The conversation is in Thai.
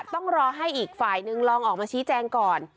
ต้องรอให้อีกฝ่ายนึงลองออกมาชี้แจงก่อน